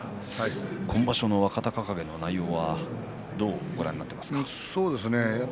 今場所の若隆景内容はどうご覧なってますか。